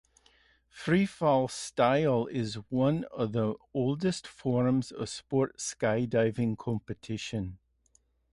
Freefall style is one of the oldest forms of sport skydiving competition.